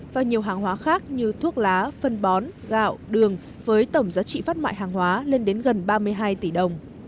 và nhiều hàng hóa khác như thuốc lá phân bón gạo đường với tổng giá trị phát mại hàng hóa lên đến gần ba mươi hai tỷ đồng